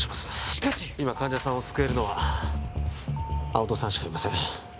しかし今患者さんを救えるのは青戸さんしかいません